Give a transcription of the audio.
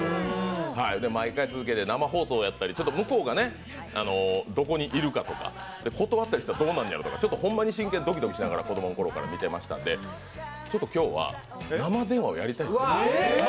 毎回続けて生放送やったり向こうがどこにいるかとか断ったりしたらどうなるんやろとか、ほんまに真剣にドキドキしながら子供のころから見てましたんで、今日は生電話をやりたいと思います。